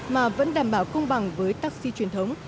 mà vẫn đảm bảo công bằng với taxi truyền thống